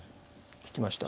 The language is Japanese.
引きました。